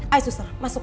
ayo suster masuk